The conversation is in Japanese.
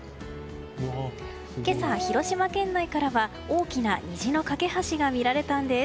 今朝、広島県内からは大きな虹の架け橋が見られたんです。